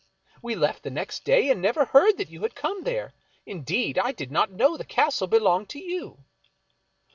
V/e left the next day, and never heard that you had come there ; indeed, I did not know the castle belonged to you."